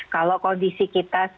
kalau kondisi kita